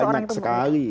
itu banyak sekali ya